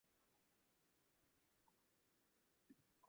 二人はびっくりして、互に寄り添って、